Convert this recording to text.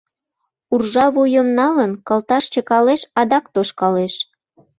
Уржа вуйым налын, кылташ чыкалеш, адак тошкалеш.